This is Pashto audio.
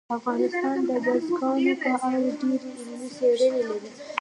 افغانستان د بزګانو په اړه ډېرې علمي څېړنې لري.